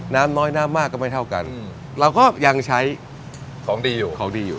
น้ำน้อยน้ำมากก็ไม่เท่ากันเราก็ยังใช้ของดีอยู่ของดีอยู่